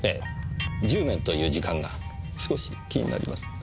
１０年という時間が少し気になります。